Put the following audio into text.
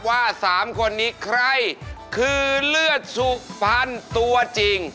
ว่า๓คนนี้ใครคือเลือดสุพรรณตัวจริง